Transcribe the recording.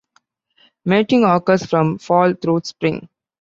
Mating occurs from fall through spring.